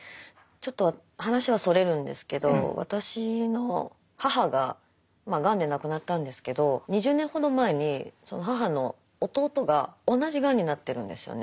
ちょっと話はそれるんですけど私の母ががんで亡くなったんですけど２０年ほど前に母の弟が同じがんになってるんですよね。